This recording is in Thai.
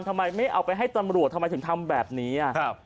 ทำไมไม่เอาไปให้ตำรวจทำไมถึงทำแบบนี้